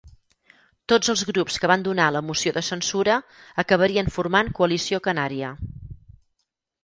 Tots els grups que van donar la moció de censura acabarien formant Coalició Canària.